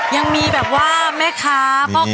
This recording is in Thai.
ยังมีแบบว่าแม่ค้าพ่อค้า